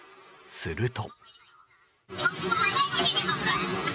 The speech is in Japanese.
すると。